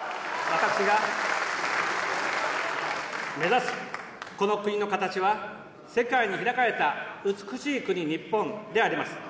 私が目指すこの国の形は、世界に開かれた美しい国、日本であります。